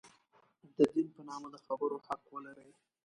د دین په نامه د خبرو حق ولري.